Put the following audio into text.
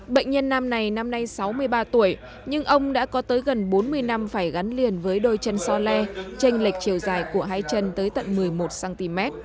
bệnh nhân nam này năm nay sáu mươi ba tuổi nhưng ông đã có tới gần bốn mươi năm phải gắn liền với đôi chân so le tranh lệch chiều dài của hai chân tới tận một mươi một cm